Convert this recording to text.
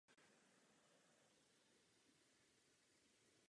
Během období Edo postihlo město kolem stovky větších požárů.